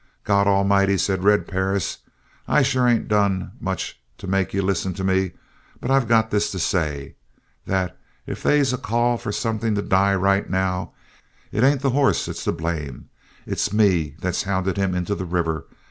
"God A'mighty," said Red Perris, "I sure ain't done much to make You listen to me, but I got this to say: that if they's a call for something to die right now it ain't the hoss that's to blame. It's me that hounded him into the river.